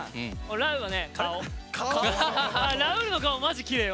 ラウールの顔マジきれいよ。